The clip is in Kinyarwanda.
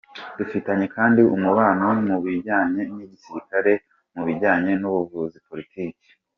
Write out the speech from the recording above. Dufitanye kandi umubano mu bijyanye n’igisirikare, mu bijyanye n’ubuvuzi, politiki.